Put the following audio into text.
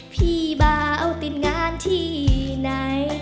พี่เบาติดงานที่ไหน